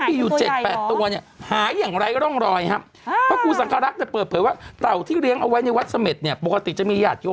มีอายุประมาณ๑๐๐ปี